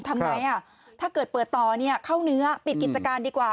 ทำไงถ้าเกิดเปิดต่อเนี่ยเข้าเนื้อปิดกิจการดีกว่า